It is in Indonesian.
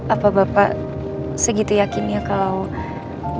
apa bapak segitu yakin ya kalau bayi di dalam kandungan elsa bukan neneng